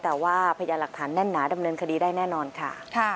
แต่ว่าพยานหลักฐานแน่นหนาดำเนินคดีได้แน่นอนค่ะ